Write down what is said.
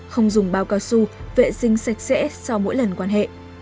không dùng bao cao su vệ sinh sạch sẽ sau mỗi lần quan hệ